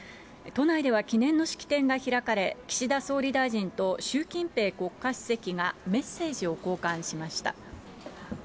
都内では記念の式典が開かれ、岸田総理大臣と習近平国家主席がメッセージを交換しました。